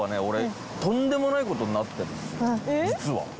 俺とんでもないことになってんですよ実は。